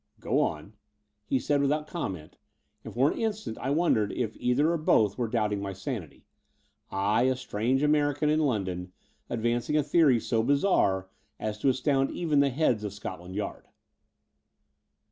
*'Go on," he said without comment; and for an instant I wondered if either or both were doubt ing my sanity — ^I, a strange American in London, advancing a theory so bizarre as to astound even the heads of Scotland Yard